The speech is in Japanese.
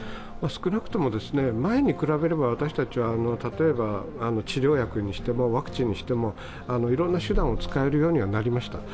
少なくとも前に比べれば、私たちは例えば治療薬、ワクチンにしてもいろいろな手段を使えるようにはなりました。